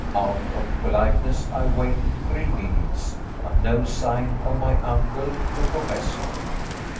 Out of politeness I waited three minutes, but no sign of my uncle, the Professor.